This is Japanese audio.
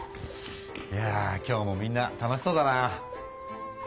いやぁ今日もみんな楽しそうだな。